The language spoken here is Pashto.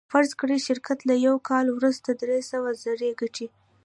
فرض کړئ شرکت له یوه کال وروسته درې سوه زره ګټي